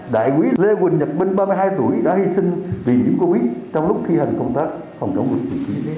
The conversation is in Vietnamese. đại quý lê quỳnh nhật minh ba mươi hai tuổi đã hi sinh vì những cô bí trong lúc thi hành công tác phòng chống dịch